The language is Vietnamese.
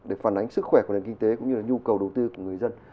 để phản ánh sức khỏe của nền kinh tế cũng như là nhu cầu đầu tư của người dân